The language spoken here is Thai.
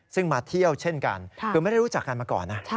ซึ่งมาเที่ยวเช่นกันคือไม่ได้รู้จักกันมาก่อนนะ